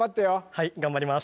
はい頑張ります